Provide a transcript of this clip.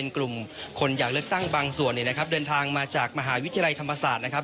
กลุ่มคนอยากเลือกตั้งบางส่วนเนี่ยนะครับเดินทางมาจากมหาวิทยาลัยธรรมศาสตร์นะครับ